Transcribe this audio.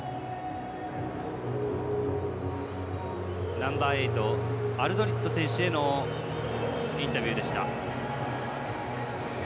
ナンバーエイトアルドリット選手へのインタビューでした。